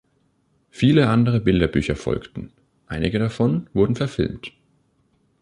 Viele andere Bilderbücher folgten, einige davon wurden verfilmt.